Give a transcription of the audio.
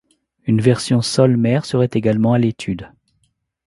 Une version sol-mer serait également à l'étude.